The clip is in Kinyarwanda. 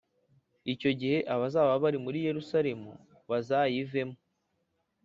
Icyo gihe abazaba bari muri Yerusalemu bazayivemo